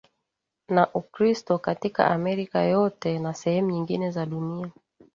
na Ukristo katika Amerika yote na sehemu nyingine za dunia